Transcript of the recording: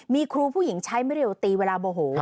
มีครูผู้หญิงใช้ไม่เร็วตีเวลาโมโห